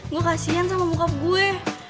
gue kasian sama mukap gue